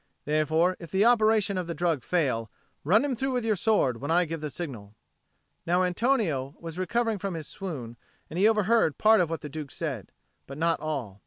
Therefore, if the operation of the drug fail, run him through with your sword when I give the signal." Now Antonio was recovering from his swoon, and he overheard part of what the Duke said, but not all.